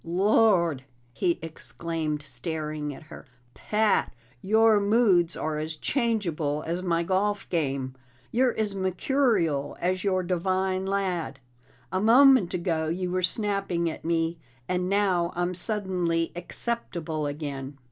"Lord!" he exclaimed staring at her. "Pat, your moods are as changeable as my golf game! You're as mercurial as your Devine lad! A moment ago you were snapping at me, and now I'm suddenly acceptable again."